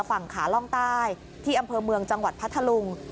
ฝั่งขาล่องใต้ที่อำเภอเมืองจังหวัดพัทธลุง